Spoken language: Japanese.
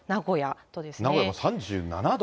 名古屋も３７度。